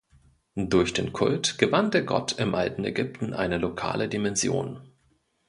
Durch den Kult gewann der Gott im alten Ägypten eine lokale Dimension.